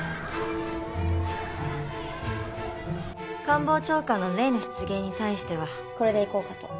官房長官の例の失言に対してはこれでいこうかと。